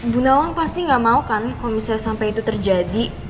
bu nawang pasti gak mau kan kalo misalnya sampe itu terjadi